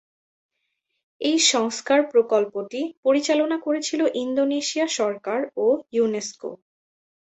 এই সংস্কার প্রকল্পটি পরিচালনা করেছিল ইন্দোনেশিয়া সরকার ও ইউনেস্কো।